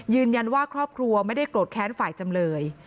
ยืนยันว่าครอบครัวไม่ได้โกรธแค้นฝ่ายจำเลย